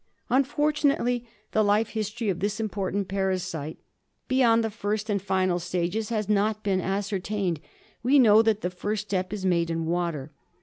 Unfortunately the life history of this important para site, beyond the first and final stages, has not been ascertained. We know that the first step is made in water.